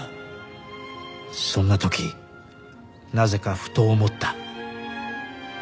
そんな時なぜかふと思った。